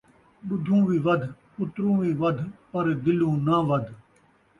ݙدھوں وی ودھ ، پتروں وی ودھ ، پر دلوں ناں ودھ